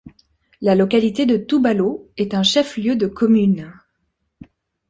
La localité de Toubalo est un chef-lieu de commune.